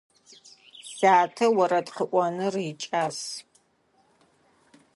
Сятэ орэд къыӏоныр икӏас.